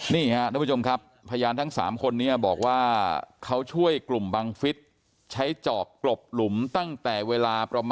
นี้ด้วยจงครับพยานทั้งสามคนเนี่ยบอกว่าเบาช่วยกลุ่มบังฟิศใช้เจาะกลบหลุมตั้งแต่เวลาประมาณ